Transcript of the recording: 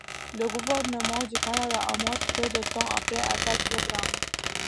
Le Gouvernement du Canada amorce peu de temps après un tel programme.